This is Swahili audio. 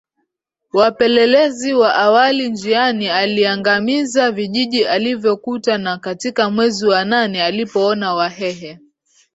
wapelelezi wa awaliNjiani aliangamiza vijiji alivyokuta na katika mwezi wa nane alipoona Wahehe